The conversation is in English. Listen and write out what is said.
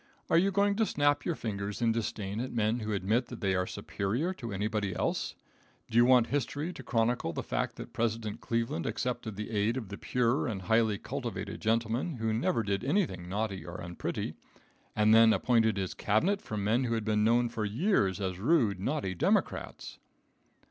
Are you going to snap your fingers in disdain at men who admit that they are superior to anybody else? Do you want history to chronicle the fact that President Cleveland accepted the aid of the pure and highly cultivated gentlemen who never did anything naughty or unpretty, and then appointed his Cabinet from men who had been known for years as rude, naughty Democrats?